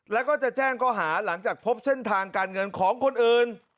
แล้วก็จะแจ้งข้อหาหลังจากพบเส้นทางการเงินของคนอื่น